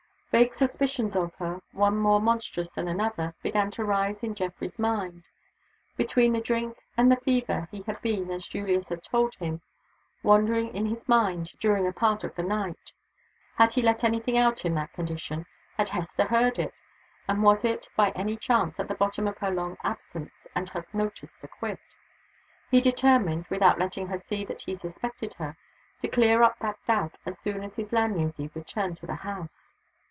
Vague suspicions of her, one more monstrous than another, began to rise in Geoffrey's mind. Between the drink and the fever, he had been (as Julius had told him) wandering in his mind during a part of the night. Had he let any thing out in that condition? Had Hester heard it? And was it, by any chance, at the bottom of her long absence and her notice to quit? He determined without letting her see that he suspected her to clear up that doubt as soon as his landlady returned to the house.